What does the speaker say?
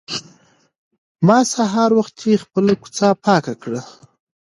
ما سهار وختي خپله کوڅه پاکه کړه.